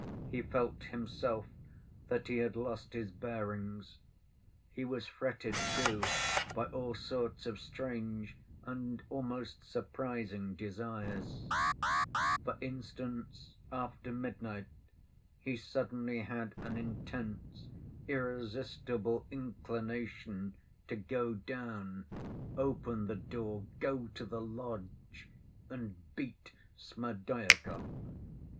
He felt himself that he had lost his bearings. He was fretted, too, by all sorts of strange and almost surprising desires; for instance, after midnight he suddenly had an intense irresistible inclination to go down, open the door, go to the lodge and beat Smerdyakov.